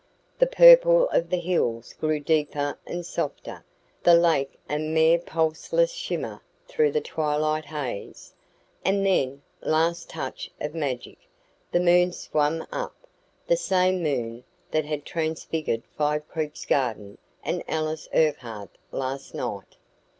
The purple of the hills grew deeper and softer, the lake a mere pulseless shimmer through the twilight haze. And then, last touch of magic, the moon swam up the same moon that had transfigured Five Creeks garden and Alice Urquhart last night.